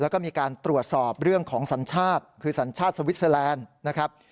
แล้วก็มีการตรวจสอบเรื่องของสัญชาติคือสัญชาติสวิสเตอร์แลนด์นะครับ